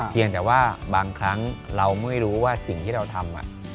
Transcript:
เพียงแต่ว่าบางครั้งเราไม่รู้ว่าสิ่งที่เราทำ